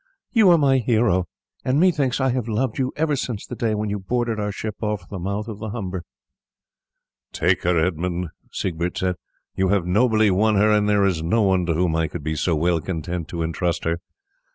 You are my hero, and methinks I have loved you ever since the day when you boarded our ship off the mouth of the Humber." "Take her, Edmund," Siegbert said; "you have nobly won her, and there is no one to whom I could be so well content to intrust her.